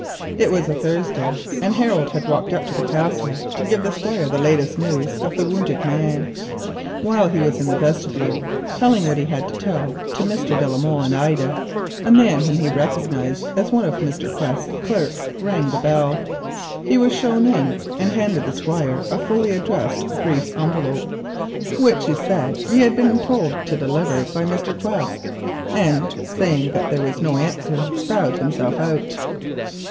It was a Thursday, and Harold had walked up to the Castle to give the Squire the latest news of the wounded man. Whilst he was in the vestibule saying what he had to say to Mr. de la Molle and Ida, a man rung the bell, whom he recognised as one of Mr. Quest's clerks. He was shown in, and handed the Squire a fully addressed brief envelope, which, he said, he had been told to deliver by Mr. Quest, and adding that there was no answer bowed himself out.